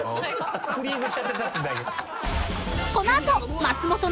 フリーズしちゃってたってだけ。